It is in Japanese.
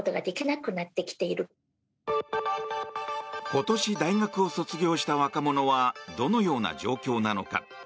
今年大学を卒業した若者はどのような状況なのか。